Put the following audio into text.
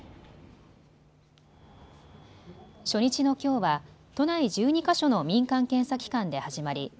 初日のきょうは都内１２か所の民間検査機関で始まり